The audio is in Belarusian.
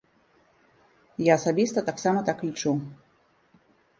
Я асабіста таксама так лічу.